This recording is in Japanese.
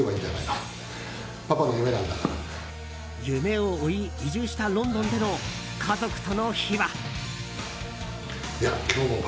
夢を追い移住したロンドンでの家族との秘話。